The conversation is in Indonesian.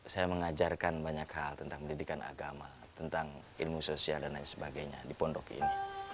saya mengajarkan banyak hal tentang pendidikan agama tentang ilmu sosial dan lain sebagainya di pondok ini